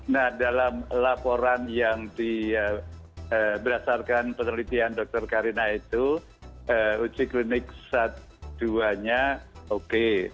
nah dalam laporan yang diberasarkan penelitian dr karina itu uji klinik satu duanya oke